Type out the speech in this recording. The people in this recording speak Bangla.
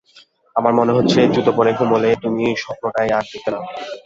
আমার মনে হচ্ছে জুতো পরে ঘুমুলে তুমি স্বপ্নটাই আর দেখবে না।